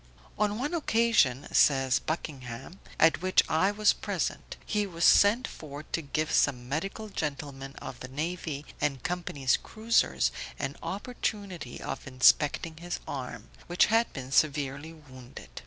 On one occasion (says Mr. Buckingham), at which I was present, he was sent for to give some medical gentlemen of the navy and company's cruisers an opportunity of inspecting his arm, which had been severely wounded.